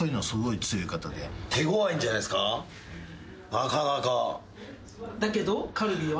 なかなか。